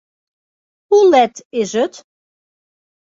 Hoe let is it?